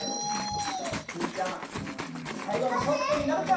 キティちゃん最後のショットになるか！？